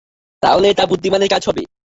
তাহলে এটা বুদ্ধিমানের কাজ হবে।